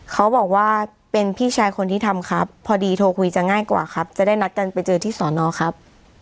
เขาบอกว่าเป็นพี่ชายคนที่ทำครับพอดีโทรคุยจะง่ายกว่าครับจะได้นัดกันไปเจอที่สอนอครับ